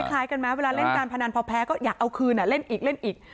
คล้ายกันไหมเวลาเล่นการพนันพอแพ้ก็อยากเอาคืนเล่นอีกเล่นอีก